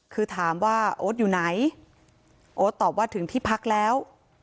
คือถามว่าโอ๊ตอยู่ไหนโอ๊ตตอบว่าถึงที่พักแล้ว